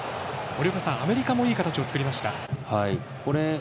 森岡さん、アメリカもいい形を作りました。